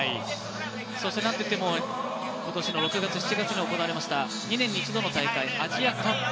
そしてなんといっても今年の６月、７月に行われました２年に一度の大会、アジアカップ。